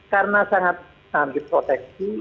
karena sangat diproteksi